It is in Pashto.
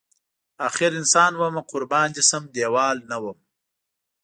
اخر انسان ومه قربان دی شم دیوال نه وم